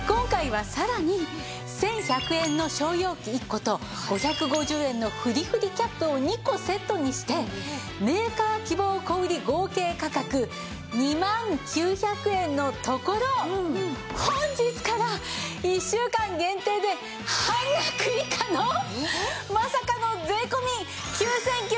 １１００円の小容器１個と５５０円のふりふりキャップを２個セットにしてメーカー希望小売合計価格２万９００円のところ本日から１週間限定で半額以下のまさかの税込９９８０円！